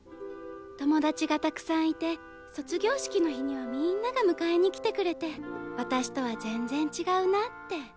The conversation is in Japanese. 友達がたくさんいて卒業式の日にはみんなが迎えに来てくれて私とは全然違うなって。